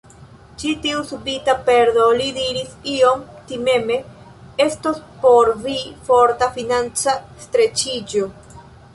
Ĉi tiu subita perdo, li diris iom timeme, estos por vi forta financa streĉiĝo.